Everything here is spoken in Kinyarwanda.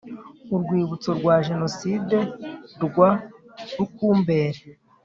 Urwibutso rwa Jenoside rwa Rukumberi.